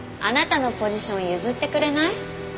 あなたのポジション譲ってくれない？